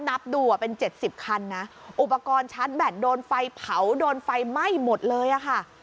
นับดูเป็น๗๐คันนะอุปกรณ์ชาร์จแบตโดนไฟเผาโดนไฟไหม้หมดเลยอะค่ะ